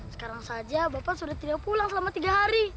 sekarang saja bapak sudah tidak pulang selama tiga hari